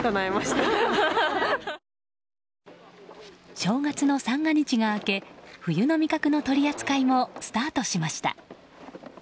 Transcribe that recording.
正月の三が日が明け冬の味覚の取り扱いもスタートしました。